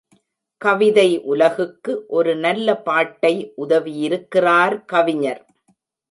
கவிதை உலகுக்கு ஒரு நல்ல பாட்டை உதவியிருக்கிறார் கவிஞர்.